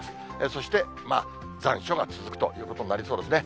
そして、残暑が続くということになりそうですね。